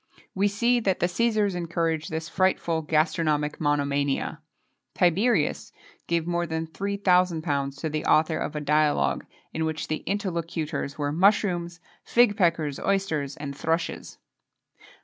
We see that the Cæsars encouraged this frightful gastronomic monomania. Tiberius gave more than £3,000 to the author of a dialogue, in which the interlocutors were mushrooms, fig peckers, oysters, and thrushes.